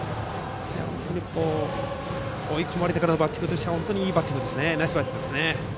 本当に追い込まれてからのバッティングとしてはナイスバッティングですね。